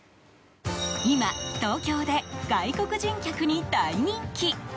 今、東京で外国人客に大人気。